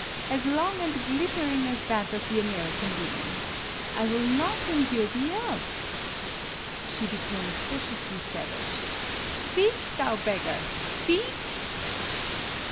as long and glittering as that of th American women. I will not endure the* else." She became speciously savage. "Speak, thou beggar, speak!"